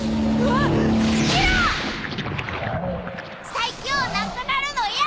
最強なくなるのやだ！